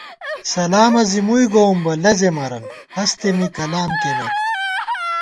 سلامہ زی مُوئی گووُم بہ، لزېمَرَن ہستے می کلام کېئیمېت